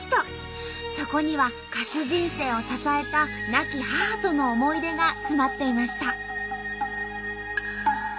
そこには歌手人生を支えた亡き母との思い出が詰まっていました。